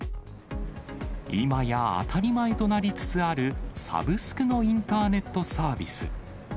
いまや当たり前となりつつあるサブスクのインターネットサービス。